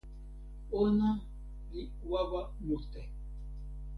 ona li wawa mute.